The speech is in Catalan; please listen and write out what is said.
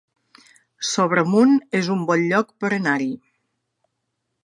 Sobremunt es un bon lloc per anar-hi